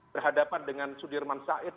berhadapan dengan sudirman said